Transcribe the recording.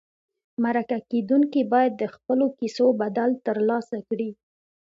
مرکه کېدونکي باید د خپلو کیسو بدل ترلاسه کړي.